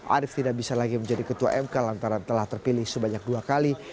arief tidak bisa lagi menjadi ketua mk lantaran telah terpilih sebanyak dua kali